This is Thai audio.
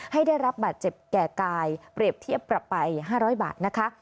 ให้ได้รับบาดเจ็บแก่กายเปรียบเทียบปรับไป๕๐๐บาทนะคะ